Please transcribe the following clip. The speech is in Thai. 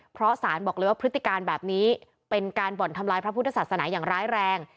เพราะสารบอกเลยว่าพฤติการแบบนี้เป็นการบ่อนทำลายพระพุทธศาสนาอย่างร้ายแรง